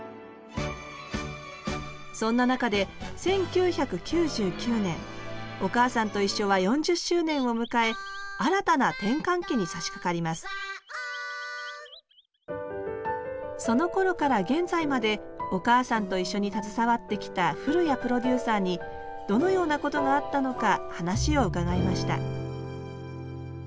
そんな中で１９９９年「おかあさんといっしょ」は４０周年を迎え新たな転換期にさしかかりますそのころから現在まで「おかあさんといっしょ」に携わってきた古屋プロデューサーにどのようなことがあったのか話を伺いました